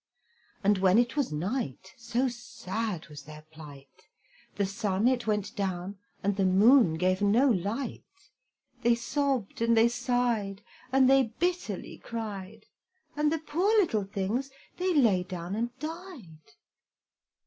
And when it was night, So sad was their plight! The sun it went down, And the moon gave no light! They sobbed and they sighed, and they bitterly cried And the poor little things, they lay down and died.